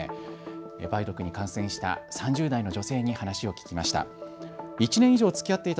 梅毒に感染した３０代の女性に話を聞きました。